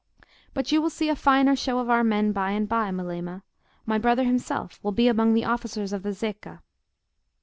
But you will see a finer show of our chief men by and by, Melema; my brother himself will be among the officers of the Zecca."